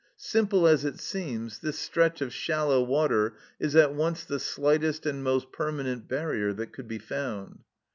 Simple as it seems, this stretch of shallow water is at once the slightest and most permanent barrier that could be found.